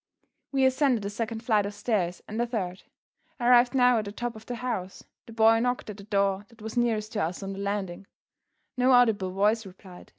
We ascended a second flight of stairs, and a third. Arrived now at the top of the house, the boy knocked at the door that was nearest to us on the landing. No audible voice replied.